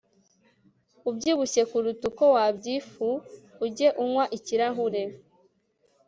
ubyibushye kuruta uko wabyifu ujye unywa ikirahuri